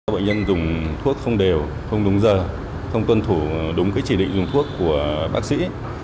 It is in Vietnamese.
bệnh nhân dùng thuốc không đều không đúng giờ không tuân thủ đúng chỉ định dùng thuốc của bác sĩ